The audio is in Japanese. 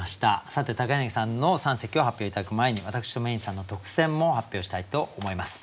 さて柳さんの三席を発表頂く前に私とＭａｙ’ｎさんの特選も発表したいと思います。